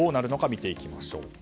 見ていきましょう。